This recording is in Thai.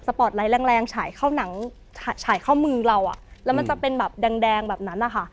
ปอร์ตไลท์แรงแรงฉายเข้าหนังฉายเข้ามือเราอ่ะแล้วมันจะเป็นแบบแดงแดงแบบนั้นนะคะ